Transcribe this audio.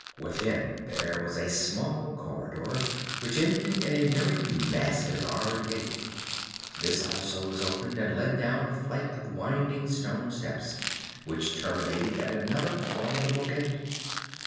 Within there was a small corridor, which ended in a very massive iron gate. This also was opened, and led down a flight of winding stone steps, which terminated at another formidable gate.